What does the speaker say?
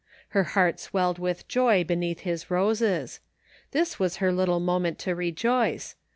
Her heart swelled with joy beneath his roses. This was her little moment to rejoice.